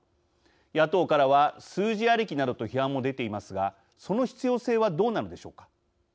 野党からは数字ありきなどと批判も出ていますがその必要性はどうなのでしょうか。